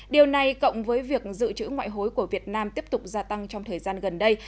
điều này cộng với việc dự trữ ngoại hối của việt nam tiếp tục gia tăng trong thời gian gần đây